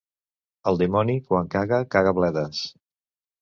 El dimoni, quan caga, caga bledes.